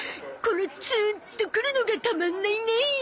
このツーンとくるのがたまんないねい。